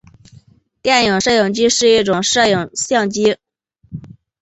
电影摄影机是一种摄影相机。